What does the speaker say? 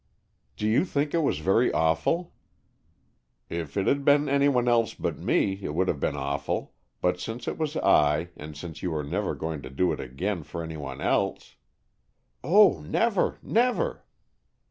"Do you think it was very awful?" "If it had been anyone else but me, it would have been awful, but since it was I, and since you are never going to do it again for anyone else, " "Oh, never, never!"